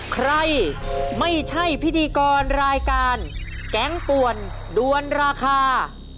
ใครไม่ใช่พิธีกรรายการแก๊งป่วนด้วนราคา